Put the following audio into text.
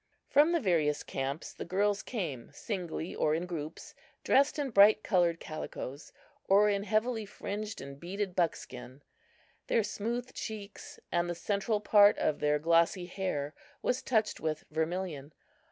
From the various camps the girls came singly or in groups, dressed in bright colored calicoes or in heavily fringed and beaded buckskin. Their smooth cheeks and the central part of their glossy hair was touched with vermilion.